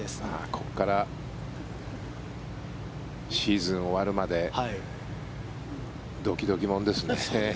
ここからシーズン終わるまでドキドキ物ですね。